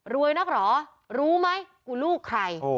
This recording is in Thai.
นักเหรอรู้ไหมกูลูกใคร